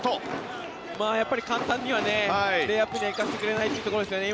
簡単にはレイアップにはいかせてくれないというところですよね。